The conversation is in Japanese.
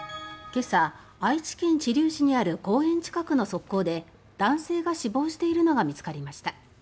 今朝、愛知県知立市にある公園近くの側溝で男性が死亡しているのが見つかりました。